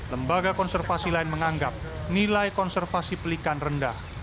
lembaga konservasi lain menganggap nilai konservasi pelikan rendah